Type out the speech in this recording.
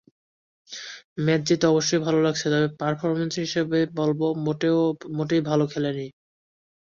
Match জিতে অবশ্যই ভালো লাগছে, তবে পারফরম্যান্সের হিসেবে বলব মোটেই ভালো খেলিনি।